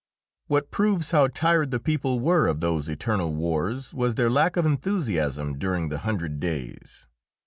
What proves how tired the people were of those eternal wars was their lack of enthusiasm during the Hundred Days.